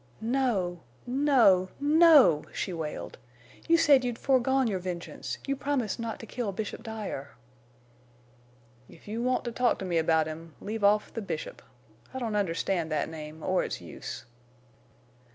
"No—no—no!" she wailed. "You said you'd foregone your vengeance. You promised not to kill Bishop Dyer." "If you want to talk to me about him—leave off the Bishop. I don't understand that name, or its use."